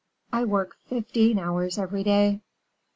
"I work fifteen hours every day."